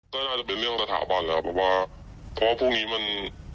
ก็น่าจะเป็นเรื่องสถาบันแล้วครับเพราะว่าเพราะว่าพรุ่งนี้มัน